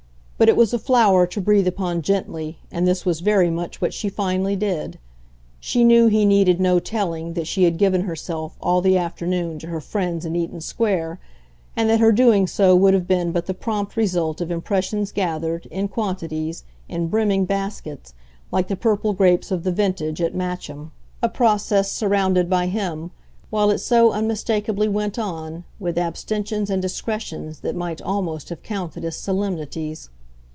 But it was a flower to breathe upon gently, and this was very much what she finally did. She knew he needed no telling that she had given herself, all the afternoon, to her friends in Eaton Square, and that her doing so would have been but the prompt result of impressions gathered, in quantities, in brimming baskets, like the purple grapes of the vintage, at Matcham; a process surrounded by him, while it so unmistakably went on, with abstentions and discretions that might almost have counted as solemnities.